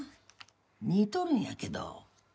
似とるんやけど。